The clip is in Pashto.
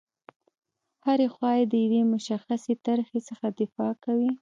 هره خوا یې د یوې مشخصې طرحې څخه دفاع کوي.